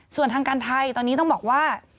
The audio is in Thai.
ส่วนทางการไทยตอนนี้ต้องบอกว่า